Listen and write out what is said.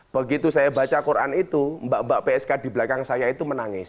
begitu saya baca quran itu mbak mbak psk di belakang saya itu menangis